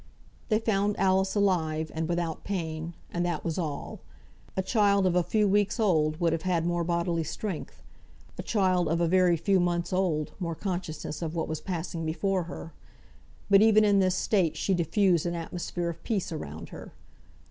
They found Alice alive, and without pain. And that was all. A child of a few weeks old would have had more bodily strength; a child of a very few months old, more consciousness of what was passing before her. But even in this state she diffused an atmosphere of peace around her.